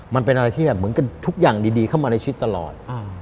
มันเป็นอะไรที่แบบเหมือนกันทุกอย่างดีเข้ามาในชีวิตตลอด